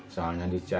soalnya di cianjur